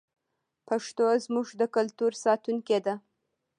پښتو زموږ د کلتور ساتونکې ده.